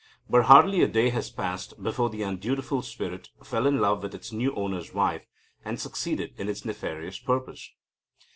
But hardly a day had passed before the undutiful spirit fell in love with its new owner's wife, and succeeded in its nefarious purpose.